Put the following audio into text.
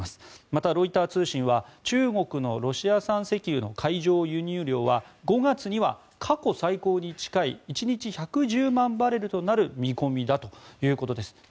また、ロイター通信は中国のロシア産石油の海上輸入量は５月には過去最高に近い１日１１０万バレルになる見込みだということです。